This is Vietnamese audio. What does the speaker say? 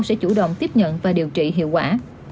sẽ chủ động tiếp nhận và điều trị hiệu quả